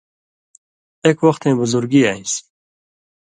ایک وختَیں بُزُرگی آن٘سیۡ،